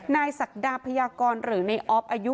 ศักดาพยากรหรือในออฟอายุ